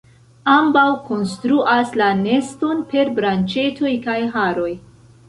Ambaŭ konstruas la neston per branĉetoj kaj haroj.